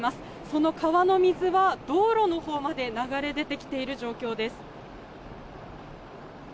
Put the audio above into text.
その川の水は道路のほうまで流れ出てきている状況です。